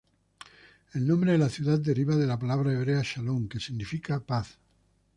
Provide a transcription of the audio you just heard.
El nombre de la ciudad deriva de la palabra hebrea "shalom", que significa "paz".